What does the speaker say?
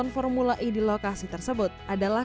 yang mempermulai di lokasi tersebut adalah